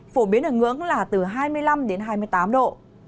phổ biến ở ngưỡng là từ hai mươi năm đến hai mươi tám độ